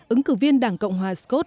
ứng cử viên đảng cộng hòa scott